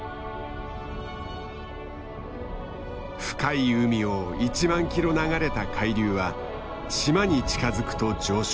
深い海を１万キロ流れた海流は島に近づくと上昇。